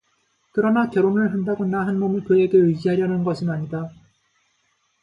그러나 결혼을 한다고 나 한몸을 그에게 의지하려는 것은 아니다.